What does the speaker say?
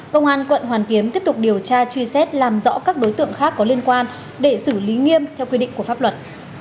công an quận hoàn kiếm tiếp tục điều tra truy xét làm rõ các đối tượng khác có liên quan để xử lý nghiêm theo quy định của pháp luật